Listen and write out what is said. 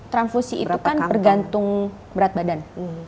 transfusi itu kan bergantung berat badan